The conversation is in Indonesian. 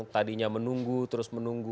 tadinya menunggu terus menunggu